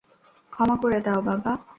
ক্ষমা করে দাও, বাবা।